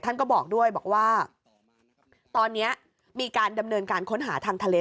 ท่านก็บอกด้วยบอกว่าตอนนี้มีการดำเนินการค้นหาทางทะเล